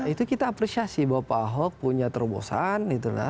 itu kita apresiasi bahwa pak ahok punya terobosan